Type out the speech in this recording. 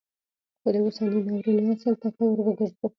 خو د اوسني ناورین اصل ته که وروګرځو